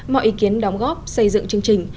mọi ý kiến đóng góp xây dựng chương trình